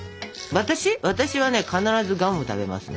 私はね必ずガムを食べますね。